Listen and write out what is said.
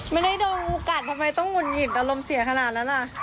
ไม่ได้ดูโอกาสทำไมต้องหุ่นหงิดอารมณ์เสียขนาดนั้นล่ะ